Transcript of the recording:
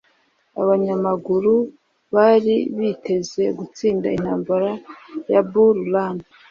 Abanyamajyaruguru bari biteze gutsinda Intambara ya Bull Run